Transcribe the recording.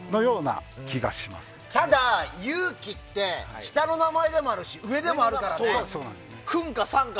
ただ、ゆうきって下の名前でもあるし上でもあるからね。